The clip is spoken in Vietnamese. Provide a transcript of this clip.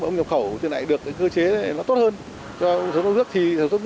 ông nhập khẩu được cơ chế tốt hơn cho ông sản xuất và lắp ráp